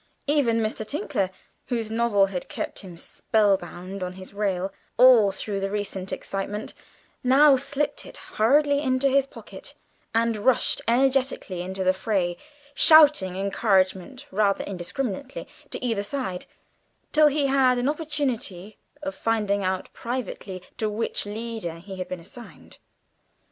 Even Mr. Tinkler, whose novel had kept him spell bound on his rail all through the recent excitement, now slipped it hurriedly into his pocket and rushed energetically into the fray, shouting encouragement rather indiscriminately to either side, till he had an opportunity of finding out privately to which leader he had been assigned.